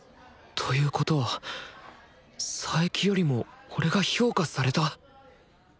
ということは佐伯よりも俺が評価された！？